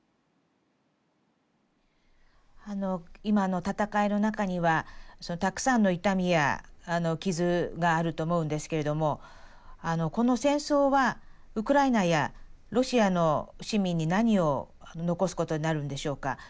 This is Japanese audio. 今の戦いの中にはたくさんの痛みや傷があると思うんですけれどもこの戦争はウクライナやロシアの市民に何を残すことになるんでしょうか？